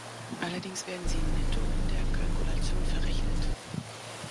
Allerdings werden sie netto in der Kalkulation verrechnet.